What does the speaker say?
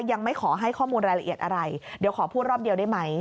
ยังไม่ขอให้ข้อมูลรายละเอียดอะไรเดี๋ยวขอพูดรอบเดียวได้ไหม